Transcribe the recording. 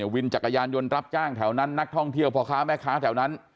วินจักรยานยนต์รับจ้างแถวนั้นนักท่องเที่ยวพ่อค้าแม่ค้าแถวนั้น